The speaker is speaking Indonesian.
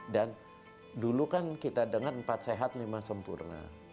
dan dulu kan kita dengar empat sehat lima sempurna